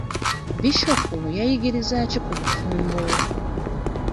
Bishop yayigiriza ki ku bufumbo?